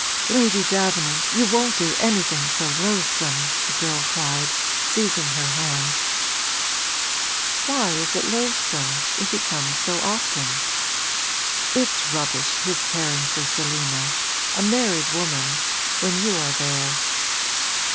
'Lady Davenant, you won't do anything so loathsome!' the girl cried, seizing her hand. 'Why is it loathsome, if he comes so often? It's rubbish, his caring for Selina a married woman when you are there.'